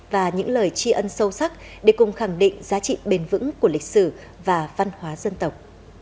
và những lời chi ân sâu sắc để cùng khẳng định giá trị bền vững của lịch sử và văn hóa dân tộc